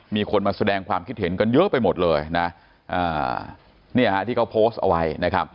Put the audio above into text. มีคนมาแสดงความคิดเห็นกันเยอะไปหมดเลยนี่ที่เขาโพสต์เอาไว้